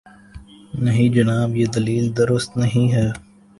نہیں جناب، یہ دلیل درست نہیں ہے۔